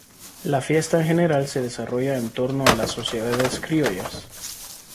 La fiesta en general se desarrolla en torno a las Sociedades Criollas.